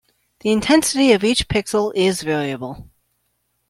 The intensity of each pixel is variable.